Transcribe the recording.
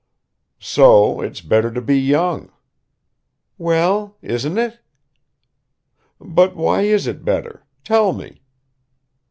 "So it's better to be young." "Well, isn't it?" "But why is it better? Tell me!"